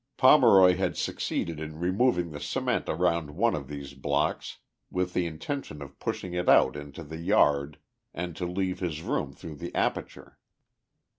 Pomeroy had succeeded in removing the cement around one of these blocks with the intention of pushing it out into the yard and to leave his room through the aperture.